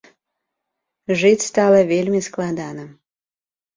Жыць стала вельмі складана.